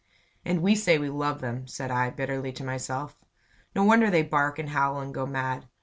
"And we say we love them!" said I, bitterly to myself. "No wonder they bark and howl and go mad.